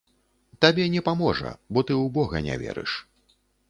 Табе не паможа, бо ты ў бога не верыш.